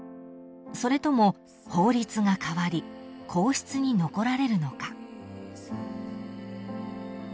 ［それとも法律が変わり皇室に残られるのか］